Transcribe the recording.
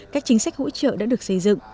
các chính sách hỗ trợ đã được xây dựng